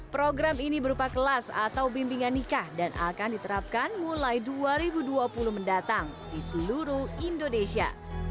program ini berupa kelas atau bimbingan nikah dan akan diterapkan mulai dua ribu dua puluh mendatang di seluruh indonesia